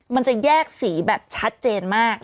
มันจะแยกสีแบบชัดเจนมาก